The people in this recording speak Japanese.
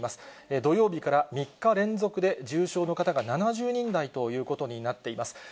土曜日から３日連続で重症の方が７０人台ということになっています。